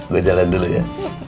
gue jalan dulu ya